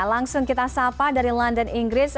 langsung kita sapa dari london inggris